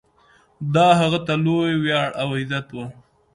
دا هغه ته لوی ویاړ او عزت و.